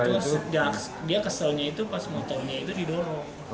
nah itu dia keselnya itu pas motornya itu didorong